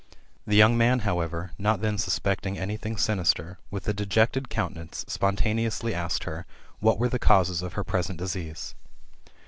The young man, however, not then suspecting anything sinister, with a dejected countenance, spontaneously asked her. What were the causes of her present disease